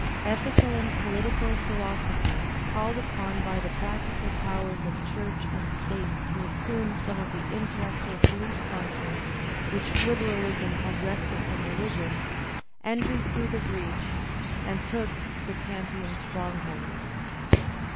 Ethical and political philosophy, called upon by the practical powers of Church and State to assume some of the intellectual poUce functions which UberaUsm had wrested from religion, entered through the breach and took the Kantian stronghold.